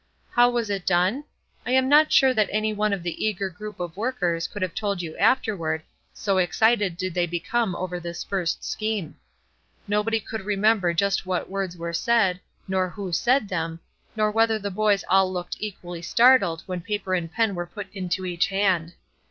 How was it done? I am not sure that any one of the eager group of workers could have told you afterward, so excited did they become over this first scheme. Nobody could remember just what words were said, nor who said them, nor whether the boys all looked equally startled when paper and pen were put into each hand.